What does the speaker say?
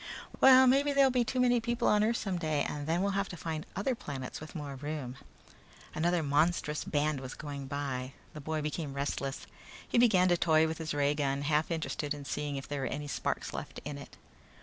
"Well, maybe there'll be too many people on earth someday and then we'll have to find other planets with more room." Another monstrous brass band was going by. The boy became restless. He began to toy with his ray gun, half interested in seeing if there were any sparks left in it.